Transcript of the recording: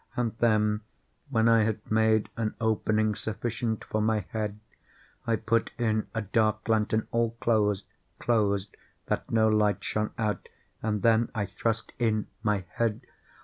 And then, when I had made an opening sufficient for my head, I put in a dark lantern, all closed, closed, that no light shone out, and then I thrust in my head.